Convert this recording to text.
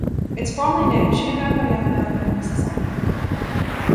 It's formally named "Shinaga no Yamada no misasagi".